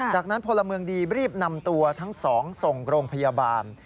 จากนั้นพลเมืองดีรีบนำตัวทั้งสองส่งโรงพยาบาล